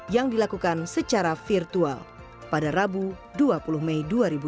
yang dilakukan secara virtual pada rabu dua puluh mei dua ribu dua puluh